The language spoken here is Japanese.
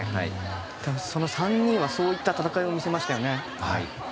その３人はそういった戦いを見せましたね。